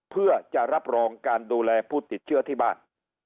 เพื่อจะรับรองการดูแลผู้ติดเชื้อที่บ้าน